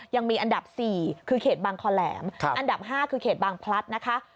ยังมีอันดับ๔คือเขตบางคอแหลมอันดับ๕คือเขตบางพลัดนะคะ